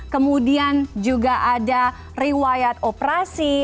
kemudian juga ada riwayat operasi